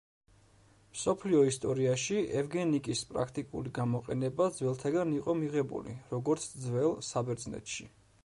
მსოფლიო ისტორიაში ევგენიკის პრაქტიკული გამოყენება ძველთაგან იყო მიღებული, როგორც ძველ საბერძნეთში.